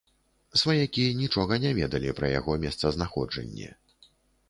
Сваякі нічога не ведалі пра яго месцазнаходжанне.